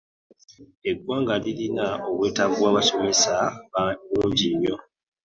Egwanga lirina obwetaavu bwa basomesa bungi nnyo.